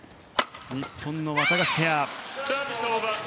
日本のワタガシペア。